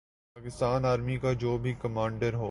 Pakistan army کا جو بھی کمانڈر ہو۔